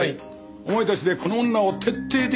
お前たちでこの女を徹底的に監視するんだ。